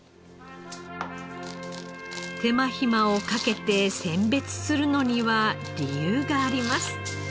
手間暇をかけて選別するのには理由があります。